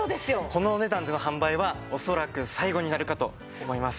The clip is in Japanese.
このお値段での販売は恐らく最後になるかと思います。